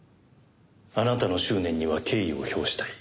あなたの執念には敬意を表したい。